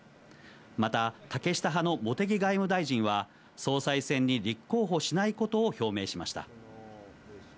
また、竹下派の茂木外務大臣は、総裁選に立候補しないことを表明しました。